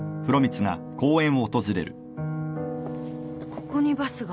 ここにバスが？